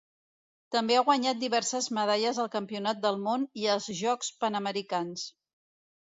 També ha guanyat diverses medalles al Campionat del Món i als Jocs Panamericans.